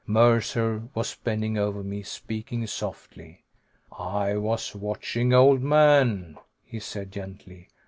Mercer was bending over me; speaking softly. "I was watching, old man," he said gently.